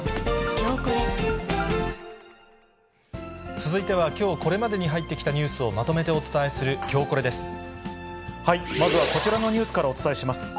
続いては、きょうこれまでに入ってきたニュースをまとめてお伝えするきょうまずはこちらのニュースからお伝えします。